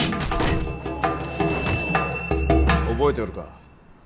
覚えておるか？